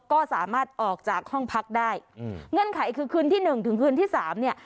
ก็สามารถออกจากห้องพักได้อืมเงื่อนไขคือคืนที่หนึ่งถึงคืนที่สามเนี่ย